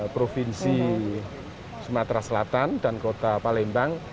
provinsi sumatera selatan dan kota palembang